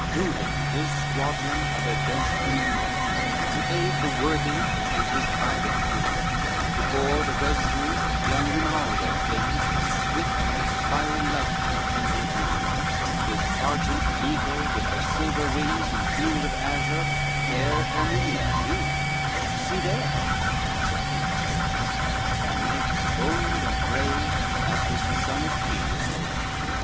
XXXVII Dudon his squadron of adventurers brings, To aid the worthy and his tired crew, Before the residue young Rinaldo flings As swift as fiery lightning kindled new, His argent eagle with her silver wings In field of azure, fair Erminia knew, "See there, sir King," she says, "a knight as bold And brave, as was the son of Peleus old.